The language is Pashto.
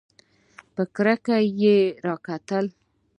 په کرکه یې راکتل !